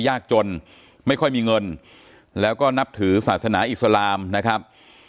ยากจนไม่ค่อยมีเงินแล้วก็นับถือศาสนาอิสลามนะครับ